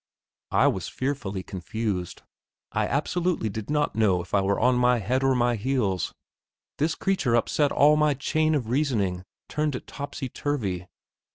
I was fearfully confused. I absolutely did not know if I were on my head or my heels. This creature upset all my chain of reasoning; turned it topsy turvy.